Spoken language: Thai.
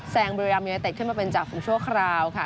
แซงเบรียมยาเต็ดขึ้นมาเป็นจากฝุ่งชั่วคราวค่ะ